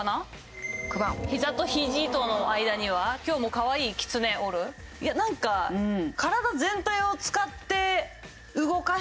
「ひざとひじとの間には今日も可愛いきつねおる」いやなんか体全体を使って動かしてて。